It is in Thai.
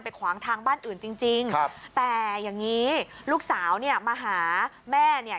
ขวางทางบ้านอื่นจริงจริงครับแต่อย่างงี้ลูกสาวเนี่ยมาหาแม่เนี่ย